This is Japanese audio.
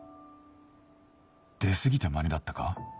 出過ぎたマネだったか？